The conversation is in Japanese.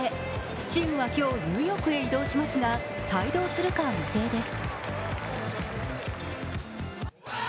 チームは今日、ニューヨークに移動しますが帯同するかは未定です。